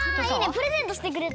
プレゼントしてくれた。